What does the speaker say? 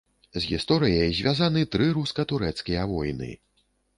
З гісторыяй звязаны тры руска-турэцкія войны.